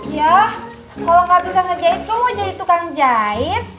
iya kalau nggak bisa ngejahit kok mau jadi tukang jahit